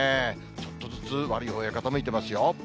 ちょっとずつ悪いほうへ傾いてますよ。